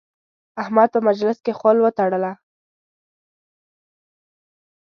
احمد په مجلس کې خول وتړله.